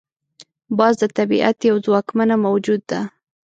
باز د طبیعت یو ځواکمنه موجود ده